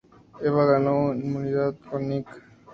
Eva ganó inmunidad con Nick.